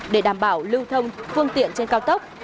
để đảm bảo lưu thông phương tiện trên cao tốc